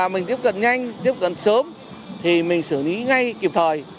mình tiếp cận nhanh tiếp cận sớm thì mình xử lý ngay kịp thời